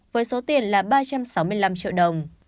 với số tiền là ba trăm sáu mươi năm triệu đồng